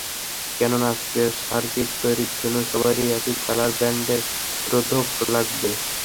কেননা আজকের সার্কিট তৈরির জন্য সবারই একই কালার ব্যান্ডের রোধক লাগবে।